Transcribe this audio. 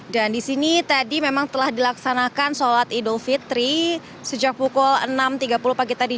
dan di sini tadi memang telah dilaksanakan sholat idul fitri sejak pukul enam tiga puluh pagi tadi